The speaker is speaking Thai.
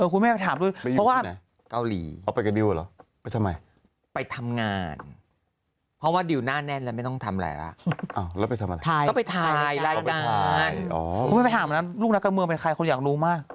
คุณไม่ได้ไปถามดูเพราะว่าเกาหลี